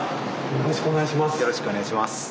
よろしくお願いします。